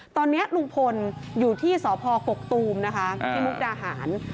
ตอนนี้ลุงพลอยู่ที่สพกกตูมนะคะที่มุกดาหาร